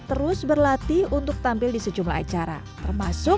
terus berlatih untuk tampil di sejumlah acara termasuk